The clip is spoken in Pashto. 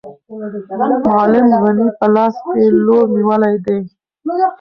معلم غني په لاس کې لور نیولی دی.